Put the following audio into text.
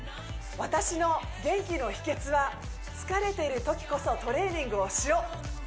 私の元気の秘訣は疲れているときこそトレーニングをしよう